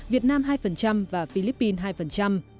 việt nam hai và philippines hai